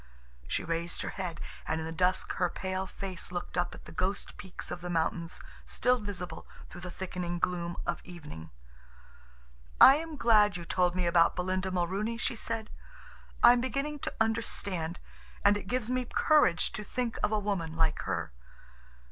She raised her head, and in the dusk her pale face looked up at the ghost peaks of the mountains still visible through the thickening gloom of evening. "I am glad you told me about Belinda Mulrooney," she said. "I am beginning to understand, and it gives me courage to think of a woman like her.